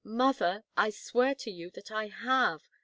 "Mother, I swear to you that I have!"